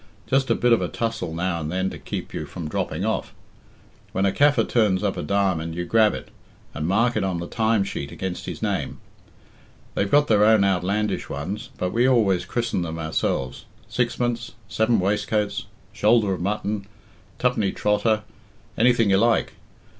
Just a bit of a tussle now and then to keep you from dropping off. When a Kaffir turns up a diamond, you grab it, and mark it on the time sheet against his name. They've got their own outlandish ones, but we always christen them ourselves Sixpence, Seven Waistcoats, Shoulder of Mutton, Twopenny Trotter anything you like.